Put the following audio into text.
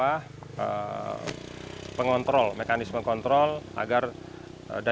yang kedua memang di perda kepariwisataan yang kita sudah punya